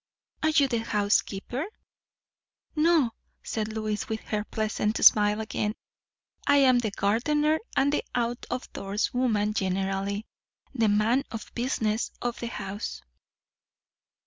"Are you the housekeeper?" "No," said Lois, with her pleasant smile again; "I am the gardener and the out of doors woman generally; the man of business of the house."